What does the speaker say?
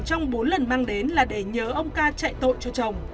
trong bốn lần mang đến là để nhớ ông ca chạy tội cho chồng